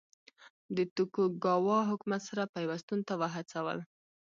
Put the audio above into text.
د توکوګاوا حکومت سره پیوستون ته وهڅول.